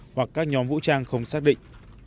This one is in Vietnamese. hoặc các nhóm vũ trang không xác định